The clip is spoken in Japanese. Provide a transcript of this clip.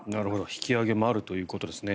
引き揚げもあるということですね。